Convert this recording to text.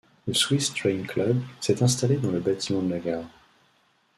Le Swiss Train Club s'est installé dans le bâtiment de la gare.